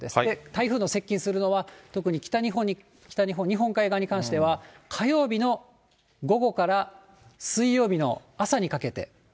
台風の接近するのは、特に北日本、日本海側に関しては、火曜日の午後から水曜日の朝にかけて。